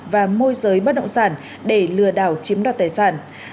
và môi giới bất động sản để lừa đảo chiếm đoạt tài sản